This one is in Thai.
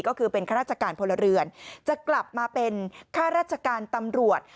ก็คือเป็นข้าราชการพลเรือนจะกลับมาเป็นข้าราชการตำรวจ